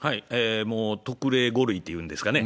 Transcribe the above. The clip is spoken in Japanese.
もう特例５類っていうんですかね。